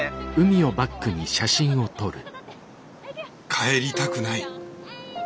帰りたくない。